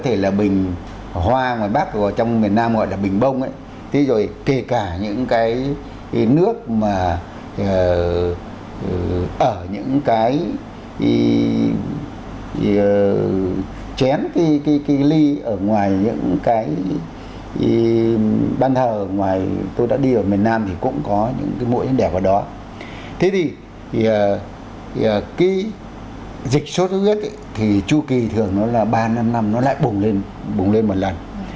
thế thì cái dịch sốt ướt thì chu kỳ thường nó là ba năm năm nó lại bùng lên một lần